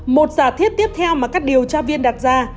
một giả thiết tiếp theo mà các điều tra viên đặt ra